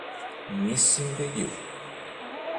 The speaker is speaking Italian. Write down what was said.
Missing You